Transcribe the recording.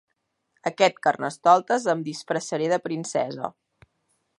Aquest carnestoltes em disfressaré de princesa.